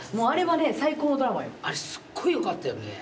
あれすっごいよかったよね。